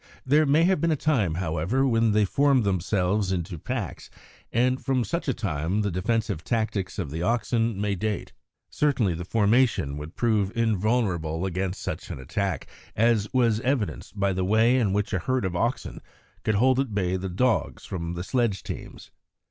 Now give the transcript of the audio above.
There may have been a time, however, when they formed themselves into packs, and from such a time the defensive tactics of the oxen may date. Certainly the formation would prove invulnerable against such an attack, as was evidenced by the way in which a herd of oxen could hold at bay the dogs from the sledge teams.